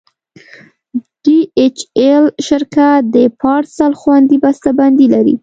ډي ایچ ایل شرکت د پارسل خوندي بسته بندي لري.